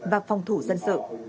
và phòng thủ dân sự